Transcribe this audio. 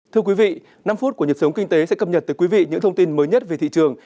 thưa quý vị năm phút của nhật sống kinh tế sẽ cập nhật tới quý vị những thông tin mới nhất về thị trường